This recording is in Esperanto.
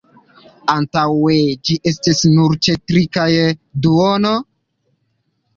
Antaŭe ĝi estis nur ĉe tri kaj duono.